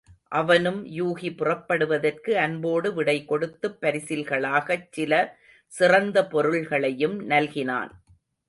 அவனும் யூகி புறப்படுவதற்கு அன்போடு விடை கொடுத்துப் பரிசில்களாகச் சில சிறந்த பொருள்களையும் நல்கினான்.